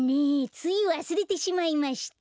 ついわすれてしまいまして。